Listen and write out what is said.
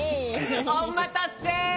おまたせ！